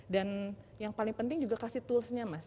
dan yang paling penting juga kasih toolsnya mas